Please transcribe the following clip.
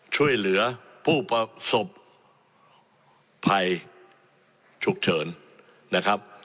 ช่วยเหลือผู้ประสบภัยฉุกเฉินนะครับ